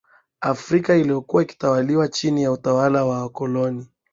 afrika ilikuwa ikitawaliwa chini ya utawala wa wakoloni